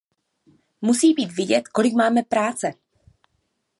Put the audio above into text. Musí být vidět, kolik máme práce.